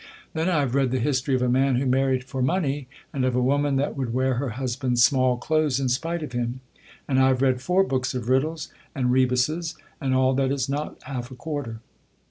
Then, I have read the history of a man who married for money, and of a woman that would wear her hus imnd's small clothes in spite of him ; and I have read four books of riddles and rebusses ; and all that is not half a quarter.